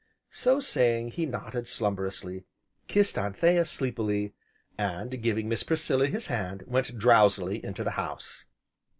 So saying, he nodded slumberously, kissed Anthea sleepily, and, giving Miss Priscilla his hand, went drowsily into the house.